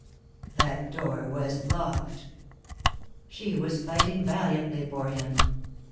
"That door was locked." She was fighting valiantly for him.